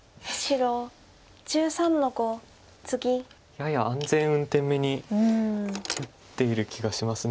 やや安全運転めに打っている気がします。